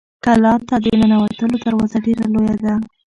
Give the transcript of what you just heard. کلا ته د ننوتلو دروازه ډېره لویه ده.